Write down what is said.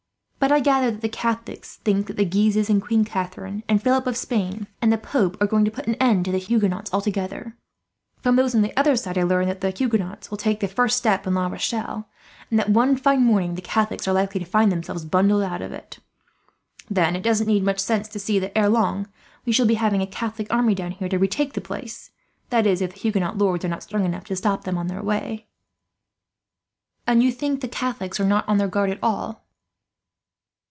But I gathered that the Catholics think that the Guises, and Queen Catherine, and Philip of Spain, and the Pope are going to put an end to the Huguenots altogether. From those on the other side, I learned that the Huguenots will take the first step in La Rochelle, and that one fine morning the Catholics are likely to find themselves bundled out of it. Then it doesn't need much sense to see that, ere long, we shall be having a Catholic army down here to retake the place; that is, if the Huguenot lords are not strong enough to stop them on their way." "And you think the Catholics are not on their guard at all?"